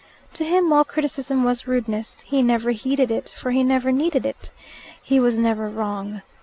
To him all criticism was "rudeness": he never heeded it, for he never needed it: he was never wrong.